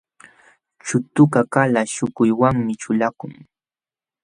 Chutukaq kalaśh śhukuywanmi ćhulakun.